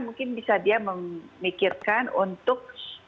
mungkin bisa dia memikirkan untuk